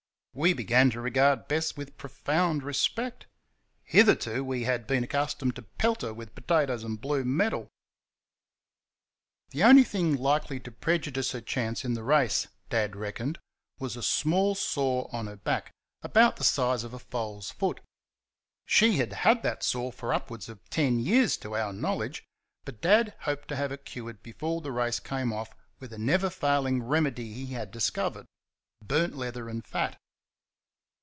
We began to regard Bess with profound respect; hitherto we had been accustomed to pelt her with potatoes and blue metal. The only thing likely to prejudice her chance in the race, Dad reckoned, was a small sore on her back about the size of a foal's foot. She had had that sore for upwards of ten years to our knowledge, but Dad hoped to have it cured before the race came off with a never failing remedy he had discovered burnt leather and fat.